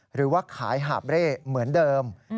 หรือว่าขายหาบเร่เหมือนเดิม